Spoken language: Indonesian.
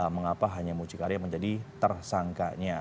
mengapa hanya mucikari yang menjadi tersangkanya